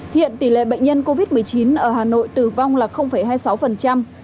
hiện tỷ lệ bệnh nhân covid một mươi chín ở hà nội tử vong là hai mươi sáu